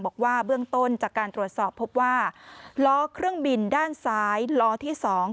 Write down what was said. บอกว่าเบื้องต้นจากการตรวจสอบพบว่าล้อเครื่องบินด้านซ้ายล้อที่๒